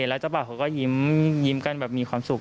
แล้วเจ้าบ่าวเขาก็ยิ้มกันแบบมีความสุข